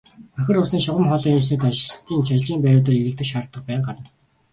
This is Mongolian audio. Бохир усны шугам хоолойн инженерт ажилчдын ажлын байруудаар эргэлдэх шаардлага байнга гарна.